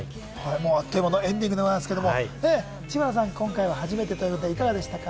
あっという間のエンディングでございますけれども、知花さん、今回初めてということでいかがでしたか？